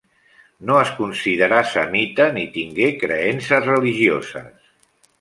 No es considerà semita ni tingué creences religioses.